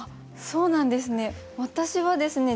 そうなんですね